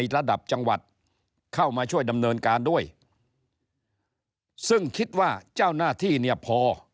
ระดับจังหวัดเข้ามาช่วยดำเนินการด้วยซึ่งคิดว่าเจ้าหน้าที่เนี่ยพอ